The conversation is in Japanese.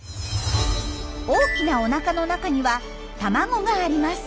大きなおなかの中には卵があります。